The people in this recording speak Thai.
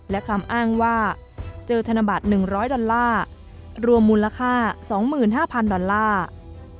และคำอ้างว่าเจอธนบัตร๑๐๐ดอลลาร์รวมมูลค่า๒๕๐๐๐ดอลลาร์